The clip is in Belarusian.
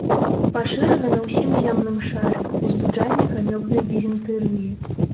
Пашырана на ўсім зямным шары, узбуджальнік амёбнай дызентэрыі.